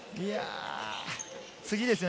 次ですね。